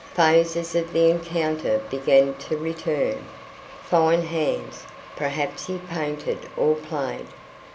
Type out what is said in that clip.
Phases of the encounter began to return. Fine hands; perhaps he painted or played.